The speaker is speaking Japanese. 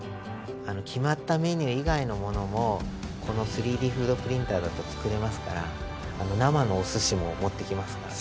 決まったメニュー以外のものもこの３Ｄフードプリンターだと作れますから生のおすしも持っていけますからね。